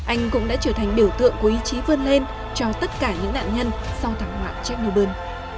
anh cũng đã trở thành biểu tượng của ý chí vươn lên cho tất cả những nạn nhân sau thảm họa chernobyl